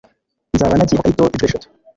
Nzaba nagiye Hokkaido inshuro eshatu